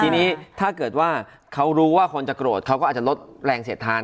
ทีนี้ถ้าเกิดว่าเขารู้ว่าคนจะโกรธเขาก็อาจจะลดแรงเสียดทาน